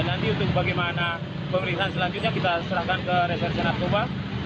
nanti untuk bagaimana pemeriksaan selanjutnya kita serahkan ke reserse narkoba